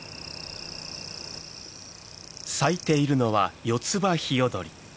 咲いているのはヨツバヒヨドリ。